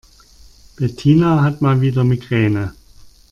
Bettina hat mal wieder Migräne.